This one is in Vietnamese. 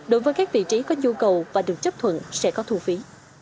đối với các vị trí có nhu cầu và được chấp thuận sẽ có thu phí